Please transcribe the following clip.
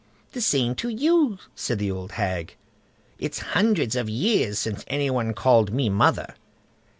"The same to you", said the old hag; "it's hundreds of years since any one called me mother."